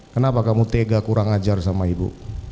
kenapa kamu tega kurang ajar sama ibu